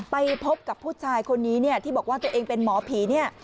ไปพบกับผู้ชายคนนี้ที่บอกว่าตัวเองเป็นหมอผี